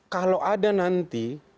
kalau ada nanti